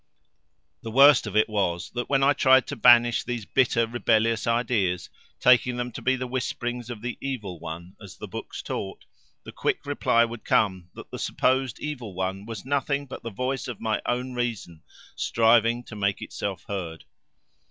The worst of it was that when I tried to banish these bitter, rebellious ideas, taking them to be the whisperings of the Evil One, as the books taught, the quick reply would come that the supposed Evil One was nothing but the voice of my own reason striving to make itself heard.